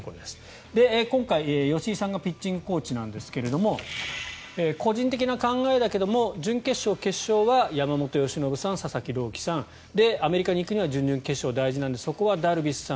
今回、吉井さんがピッチングコーチなんですが個人的な考えだけど準決勝、決勝は山本由伸さん、佐々木朗希さんアメリカに行くには準々決勝、大事なんですがそこはダルビッシュさん